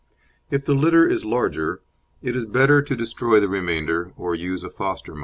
If the litter is larger, it is better to destroy the remainder, or use a foster mother.